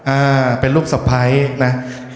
อ่าเป็นลูกสะไพรนะ